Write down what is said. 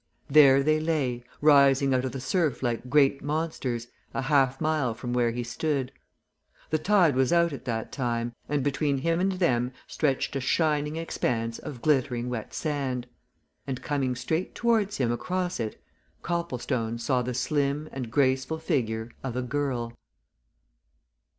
There they lay, rising out of the surf like great monsters, a half mile from where he stood. The tide was out at that time, and between him and them stretched a shining expanse of glittering wet sand. And, coming straight towards him across it, Copplestone saw the slim and graceful figure of a girl.